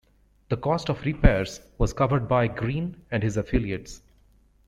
The cost of repairs was covered by Green and his affiliates.